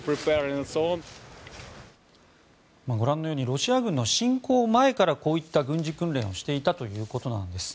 ロシア軍の侵攻前からこういった軍事訓練をしていたということなんです。